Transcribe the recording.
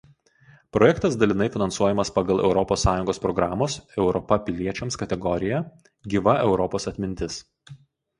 Projektas dalinai finansuojamas pagal Europos Sąjungos programos „Europa piliečiams“ kategoriją „Gyva Europos atmintis“.